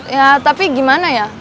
ya tapi gimana ya